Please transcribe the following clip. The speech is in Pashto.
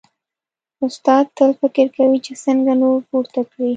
استاد تل فکر کوي چې څنګه نور پورته کړي.